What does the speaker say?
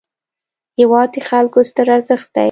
هېواد د خلکو ستر ارزښت دی.